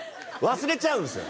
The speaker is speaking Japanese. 忘れちゃうんすよ